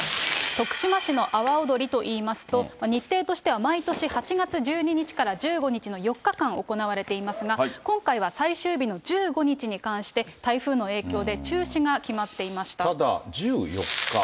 徳島市の阿波おどりといいますと、日程としては、毎年８月１２日から１５日の４日間行われていますが、今回は最終日の１５日に関して台風の影響で中止が決まっていましただ、１４日。